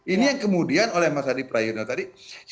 ini yang kemudian oleh mas hadi prayudha tadi